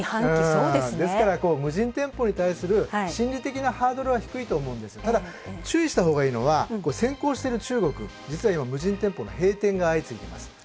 ですから、無人店舗に対する心理的なハードルは低いと思うんですただ、注意したほうがいいのは先行している中国、実は無人店舗の閉店が相次いでいます。